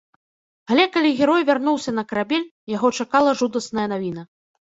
Але калі герой вярнуўся на карабель, яго чакала жудасная навіна.